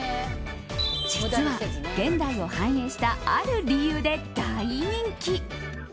実は現代を反映したある理由で大人気。